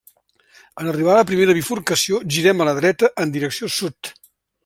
En arribar a la primera bifurcació girem a la dreta, en direcció sud.